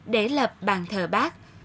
để lập bàn thờ bác